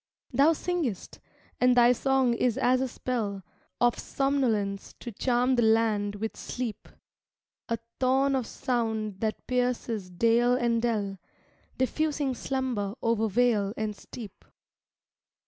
Thou singest, and thy song is as a spell Of somnolence to charm the land with sleep; A thorn of sound that pierces dale and dell, Diffusing slumber over vale and steep.